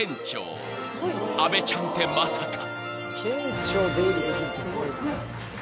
［アベちゃんってまさか］